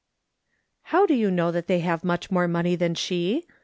'*" How do you know that they have nmch more money than she